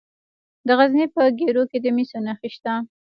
د غزني په ګیرو کې د مسو نښې شته.